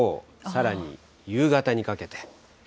さらに夕方にかけて。